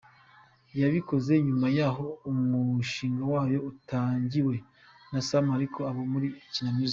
bayikozeho, nyuma yaho umushinga wayo utangiwe na Sam ariko abo muri Kina music.